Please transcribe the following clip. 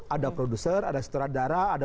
ada produser ada sutradara ada